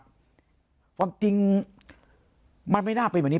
แต่จะดูวันจริงมันไม่น่าเป็นแบบนี้